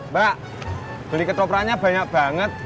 mbak beli ketopranya banyak banget